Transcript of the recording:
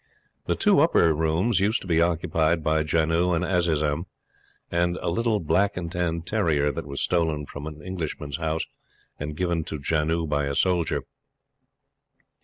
The two upper rooms used to be occupied by Janoo and Azizun and a little black and tan terrier that was stolen from an Englishman's house and given to Janoo by a soldier.